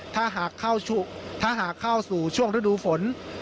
ถ้าหากเข้าสู่ช่วงฤดูฝน